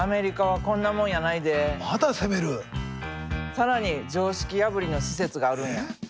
更に常識破りの施設があるんや。